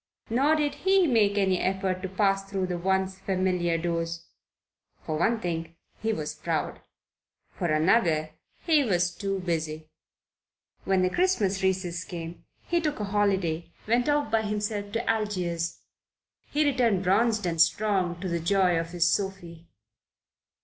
Nor did he make any attempt to pass through the once familiar doors. For one thing, he was proud: for another he was too busy. When the Christmas recess came he took a holiday, went off by himself to Algiers. He returned bronzed and strong, to the joy of his Sophie.